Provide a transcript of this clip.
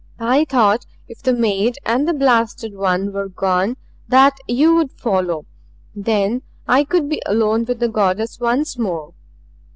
"I thought if the maid and the blasted one were gone, that you would follow. Then I would be alone with the Goddess once more.